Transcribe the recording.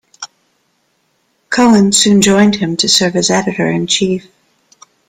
Cowan soon joined him to serve as editor in chief.